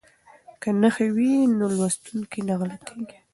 که نښې وي نو لوستونکی نه غلطیږي.